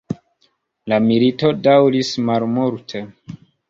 La milito daŭris malmulte.